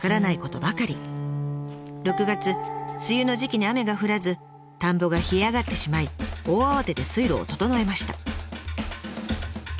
６月梅雨の時期に雨が降らず田んぼが干上がってしまい大慌てで水路を整えました。